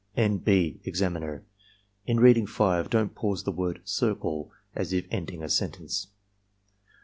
(N. B. Examiner. — In reading 5, don't pause at the word CIRCLE as if ending a sentence.)